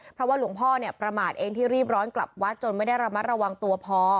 เพราะว่าหลวงพ่อเนี่ยประมาทเองที่รีบร้อนกลับวัดจนไม่ได้ระมัดระวังตัวพอ